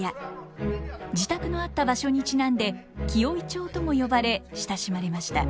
自宅のあった場所にちなんで「紀尾井町」とも呼ばれ親しまれました。